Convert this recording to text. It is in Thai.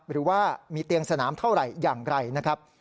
หรือว่ามีเตียงสนามเท่าไหร่อย่างไรนะครับ